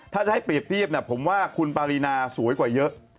ถ้าจะให้เปรียบเทียบผมว่าคุณปารีนาสวยกว่าเยอะ